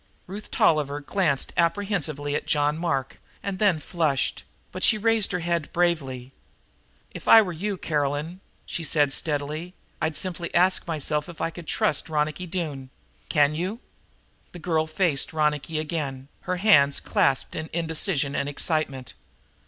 Ruth Tolliver glanced apprehensively at John Mark and then flushed, but she raised her head bravely. "If I were you, Caroline," she said steadily, "I'd simply ask myself if I could trust Ronicky Doone. Can you?" The girl faced Ronicky again, her hands clasped in indecision and excitement.